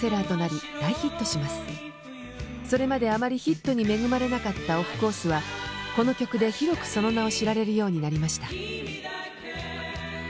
それまであまりヒットに恵まれなかったオフコースはこの曲で広くその名を知られるようになりました。